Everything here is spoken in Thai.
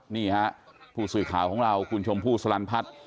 นี่ฮะผู้สื่อข่าวของเราคุณชมพู่สลันพัฒน์